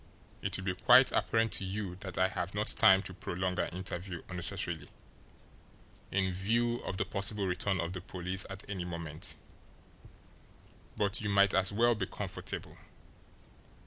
"It will be quite apparent to you that I have not time to prolong our interview unnecessarily, in view of the possible return of the police at any moment, but you might as well be comfortable.